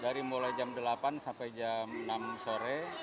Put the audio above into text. dari mulai jam delapan sampai jam enam sore